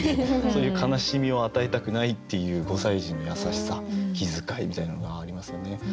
そういう悲しみを与えたくないっていう五歳児の優しさ気遣いみたいなのがありますよね。